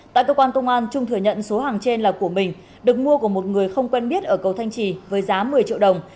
tại cơ quan công an trung thừa nhận số hàng trên là của mình được mua của một người không quen biết ở cầu thanh trì với giá một mươi triệu đồng